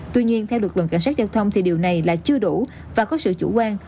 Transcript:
tuy nhiên theo lực lượng cảnh sát giao thông thì điều này là chưa đủ và có sự chủ quan